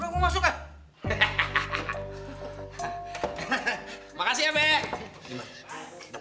nyamuk nyamuk nyamuk nyamuk nyamuk nyamuk nyamuk nyamuk nyamuk nyamuk nyamuk nyamuk nyamuk nyamuk